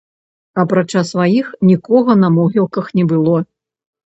Апрача сваіх, нікога на могілках не было.